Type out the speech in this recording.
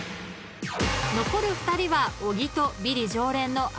［残る２人は小木とビリ常連の有岡］